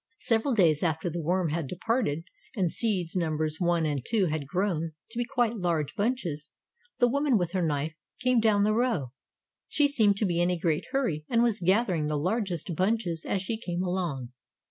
Several days after the worm had departed and seeds numbers One and Two had grown to be quite large bunches, the woman with her knife came down the row. She seemed to be in a great hurry and was gathering the largest bunches as she came along.